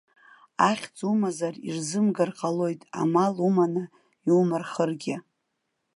Ахьӡ умазар ирзымгар ҟалоит, амал уманы иумырхыргьы.